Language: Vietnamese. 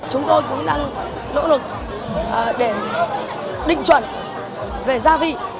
chúng tôi cũng đang nỗ lực để định chuẩn về gia vị